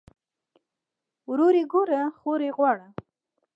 ورور ئې ګوره خور ئې غواړه